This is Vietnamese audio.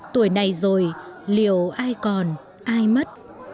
tuổi này rồi liệu ai còn ai mất